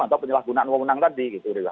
atau penyelahgunaan wang unang tadi